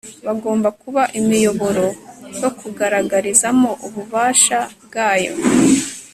bagomba kuba imiyoboro yo kugaragarizamo ububasha bwayo